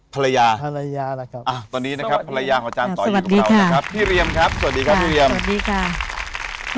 ภรรยาตอนนี้นะครับภรรยาของอาจารย์ต่ออยู่กับเรานะครับพี่เรียมครับสวัสดีครับพี่เรียม